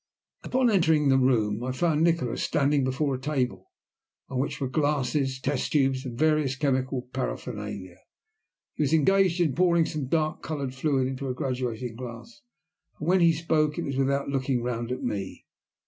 Upon my entering the room I found Nikola standing before a table on which were glasses, test tubes, and various chemical paraphernalia. He was engaged in pouring some dark coloured liquid into a graduating glass, and when he spoke it was without looking round at me.